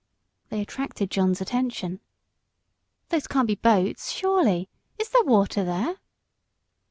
They attracted John's attention. "Those can't be boats, surely. Is there water there?"